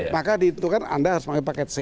maka dihitungkan anda harus pakai paket c